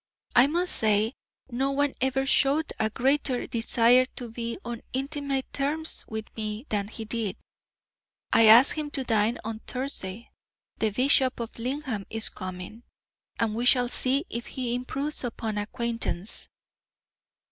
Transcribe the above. "I must say, no one ever showed a greater desire to be on intimate terms with me than he did. I asked him to dine on Thursday the Bishop of Lingham is coming and we shall see if he improves upon acquaintance."